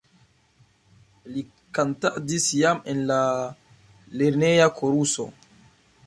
Li kantadis jam en la lerneja koruso.